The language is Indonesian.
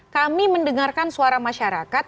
kami mendengarkan suara masyarakat